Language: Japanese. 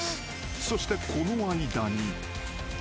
［そしてこの間に］